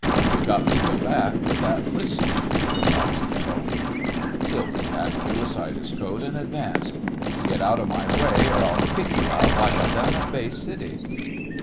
"You got to go back with that whiskey," replied Darrell. Silver Jack threw aside his coat, and advanced. "You get out of my way, or I'll kick you out, like I done at Bay City."